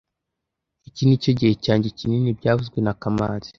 Iki nicyo gihe cyanjye kinini byavuzwe na kamanzi